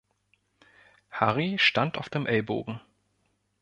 Harry stand auf dem Ellbogen.